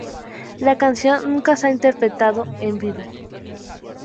La canción nunca se ha interpretado en vivo.